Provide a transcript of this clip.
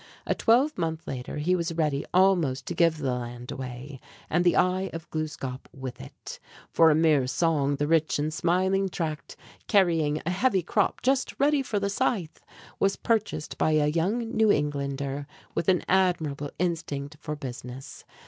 A twelvemonth later he was ready almost to give the land away, and the "Eye of Gluskâp" with it. For a mere song the rich and smiling tract, carrying a heavy crop just ready for the scythe, was purchased by a young New Englander with an admirable instinct for business.